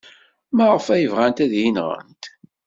Maɣef ay bɣant ad iyi-nɣent?